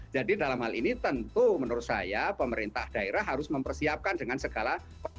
jadi dalam hal ini tentu menurut saya pemerintah daerah harus mempersiapkan dengan segala